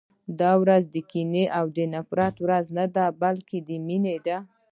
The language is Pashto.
دا ورځ د کینې او د نفرت ورځ نه ده، بلکې د مینې ده.